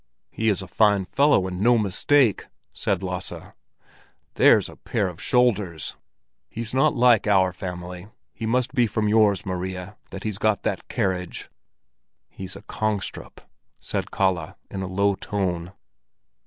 "He is a fine fellow, and no mistake!" said Lasse. "There's a pair of shoulders! He's not like our family; it must be from yours, Maria, that he's got that carriage." "He's a Kongstrup," said Kalle, in a low tone.